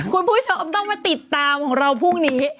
คุณผู้ชมต้องมาติดตามของเราพรุ่งนี้